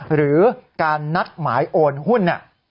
หรือการนัดหมายโอนหุ้น